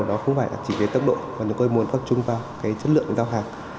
nó không phải chỉ về tốc độ mà chúng tôi muốn góp chung vào cái chất lượng giao hàng